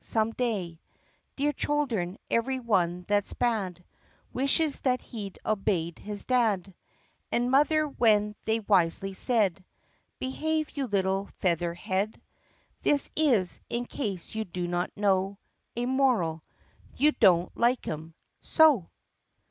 Some day , Dear children , every one that ' s bad ' Wishes that he 'd obeyed his dad And mother when they wisely said , "Behave, you little feather head !" (This is, in case you do not know , A moral. You don't like 'em? So!)